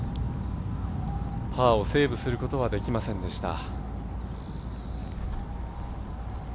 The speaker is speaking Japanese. パーをセーブすることはできませんでした。